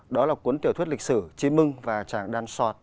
đó là cuốn tiểu thuyết lịch sử chí mưng và tràng đan sọt